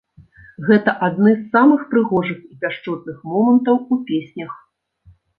Гэта адны з самых прыгожых і пяшчотных момантаў у песнях.